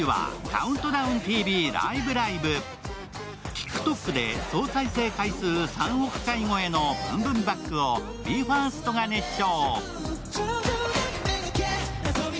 ＴｉｋＴｏｋで総再生回数３億回超えの「ＢｏｏｍＢｏｏｍＢａｃｋ」をＢＥ：ＦＩＲＳＴが熱唱。